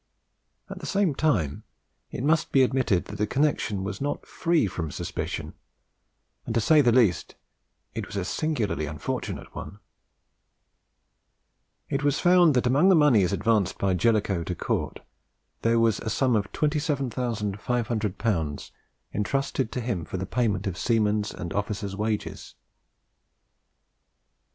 At the same time it must be admitted that the connexion was not free from suspicion, and, to say the least, it was a singularly unfortunate one. It was found that among the moneys advanced by Jellicoe to Cort there was a sum of 27,500L. entrusted to him for the payment of seamen's and officers' wages.